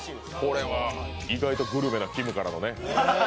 これは意外とグルメなきむからのね。